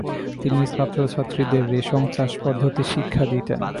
তিনি ছাত্রছাত্রীদের রেশম চাষ পদ্ধতি শিক্ষা দিতেন।